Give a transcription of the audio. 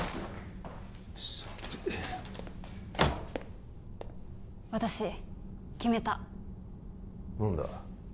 さて私決めた何だ？